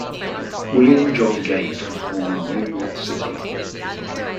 William John Gage was born in New York City.